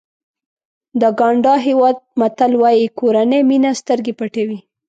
د ګاڼډا هېواد متل وایي کورنۍ مینه سترګې پټوي.